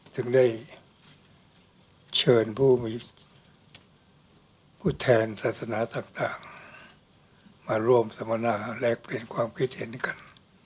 จึงได้เชิญผู้มีผู้แทนศาสนาต่างมาร่วมสมนาแลกเปลี่ยนความคิดเห็นกัน